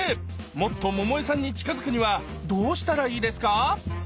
もっと百恵さんに近づくにはどうしたらいいですか？